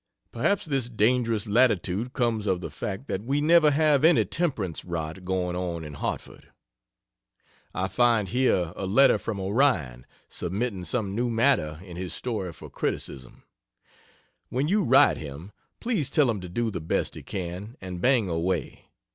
Perhaps this dangerous latitude comes of the fact that we never have any temperance "rot" going on in Hartford. I find here a letter from Orion, submitting some new matter in his story for criticism. When you write him, please tell him to do the best he can and bang away.